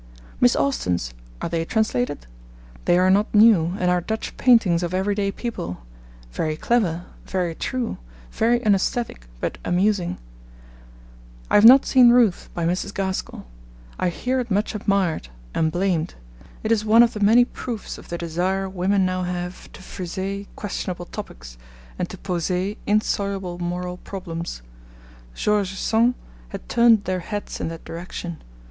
... Miss Austen's are they translated? They are not new, and are Dutch paintings of every day people very clever, very true, very unaesthetic, but amusing. I have not seen Ruth, by Mrs. Gaskell. I hear it much admired and blamed. It is one of the many proofs of the desire women now have to friser questionable topics, and to poser insoluble moral problems. George Sand has turned their heads in that direction.